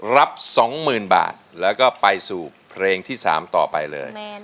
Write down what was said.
รับสองหมื่นบาทแล้วก็ไปสู่เพลงที่สามต่อไปเลย